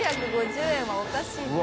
９５０円はおかしいって。